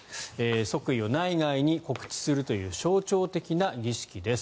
即位を内外に告知するという象徴的な儀式です。